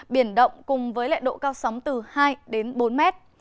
biển động cùng với lệ độ cao sóng từ hai đến bốn mét